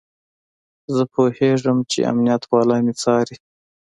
زه پوهېدم چې امنيت والا مې څاري.